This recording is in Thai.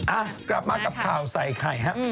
อ่ะกลับมากับข่าวใส่ไข่ฮะ